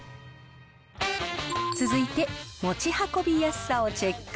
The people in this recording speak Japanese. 続いて、持ち運びやすさをチェック。